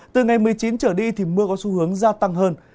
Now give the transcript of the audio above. từ ngày một mươi chín trở đi thì mưa có xu hướng gia tăng hơn